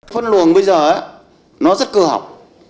phân luồng bây giờ nó rất cơ học